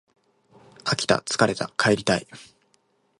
飽きた疲れた帰りたい